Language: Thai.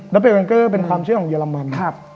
ดับเบลแกงเกอร์เป็นความเชื่อของเยอรมัน